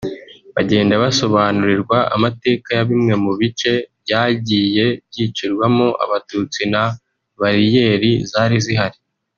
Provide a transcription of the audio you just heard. bagenda basobanurirwa amateka ya bimwe mu bice byagiye byicirwaho Abatutsi na bariyeri zari zihari